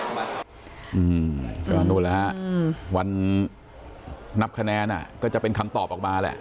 อืมก็นู่นแล้วฮะวันนับคะแนนอ่ะก็จะเป็นคำตอบออกมาแหละ